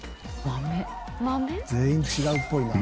全員違うっぽいなあ。